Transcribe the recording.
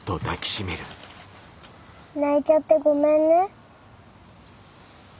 泣いちゃってごめんね。